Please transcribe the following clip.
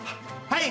はい。